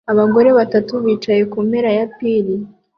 Abagore batatu bicaye kumpera ya pir